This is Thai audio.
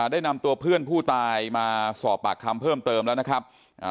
ได้นำตัวเพื่อนผู้ตายมาสอบปากคำเพิ่มเติมแล้วนะครับ